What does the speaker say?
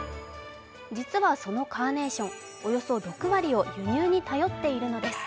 実はそのカーネーション、およそ６割を輸入に頼っているのです。